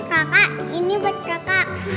kakak ini buat kakak